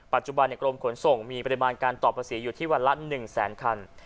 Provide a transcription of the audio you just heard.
ปัจจุบันกรมขนส่งมีปริมาณการต่อภาษีอยู่ที่วันละ๑แสนคัน